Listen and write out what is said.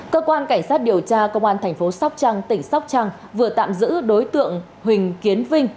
cơ quan cảnh sát điều tra công an thành phố sóc trăng tỉnh sóc trăng vừa tạm giữ đối tượng huỳnh kiến vinh